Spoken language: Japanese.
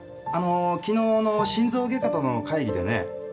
昨日の心臓外科との会議でね